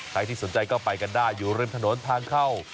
ที่สนใจก็ไปกันได้อยู่ริมถนนทางเข้า